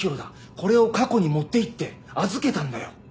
これを過去に持っていって預けたんだよ。